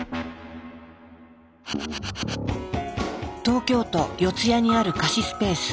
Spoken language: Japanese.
東京都四谷にある貸しスペース。